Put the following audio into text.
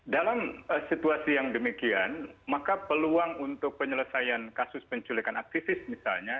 dalam situasi yang demikian maka peluang untuk penyelesaian kasus penculikan aktivis misalnya